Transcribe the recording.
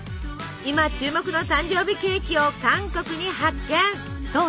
今注目の誕生日ケーキを韓国に発見！